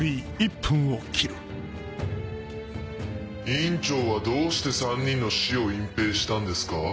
院長はどうして３人の死を隠蔽したんですか？